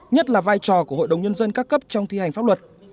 nhất là vai trò của hội đồng nhân dân các cấp trong thi hành pháp luật